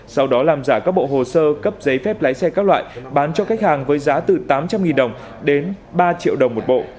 sau đó làm giả các bộ hồ sơ cấp giấy phép lái xe các loại bán cho khách hàng với giá từ tám trăm linh đồng đến ba triệu đồng một bộ